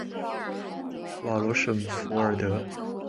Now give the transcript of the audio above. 瓦罗什弗尔德。